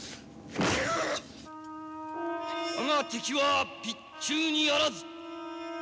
わが敵は備中にあらず！